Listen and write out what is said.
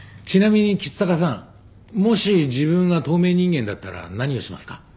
ちなみに橘高さんもし自分が透明人間だったら何をしますか？